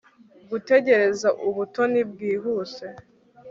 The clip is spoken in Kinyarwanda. Gutegereza ubutoni bwihuse